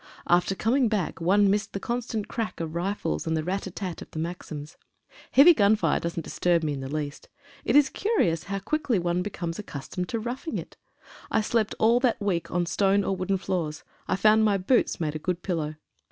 After coming back one missed the constant crack of rifles and the rat a tat of the maxims. Heavy gun fire doesn't disturb me in the least. It is curious how quickly one becomes accustomed to roughing it. I slept all that week on stone or wooden floors. I found my boots made a good pillow.